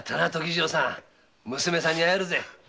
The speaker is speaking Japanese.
娘さんに会えるぜ。